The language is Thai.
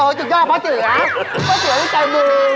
โอ้โฮจุดยอดผัดสืดหรือ